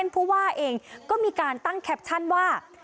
ผู้ว่าเองก็มีการตั้งแคปชั่นว่า